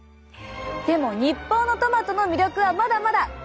でも日本のトマトの魅力はまだまだ！